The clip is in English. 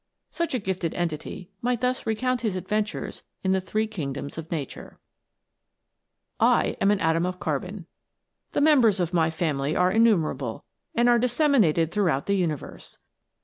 Such a gifted entity might thus recount his adventures in the three kingdoms of nature :" I am an atom of carbon. The members of my family are innumerable, and are disseminated throughout the universe.